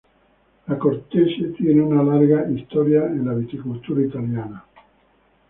La cortese tiene una larga historia en la viticultura italiana.